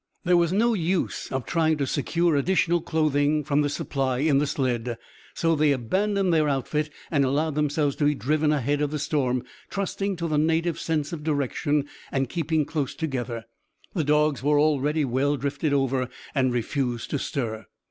There was no use of trying to secure additional clothing from the supply in the sled, so they abandoned their outfit and allowed themselves to be driven ahead of the storm, trusting to the native's sense of direction and keeping close together. The dogs were already well drifted over, and refused to stir.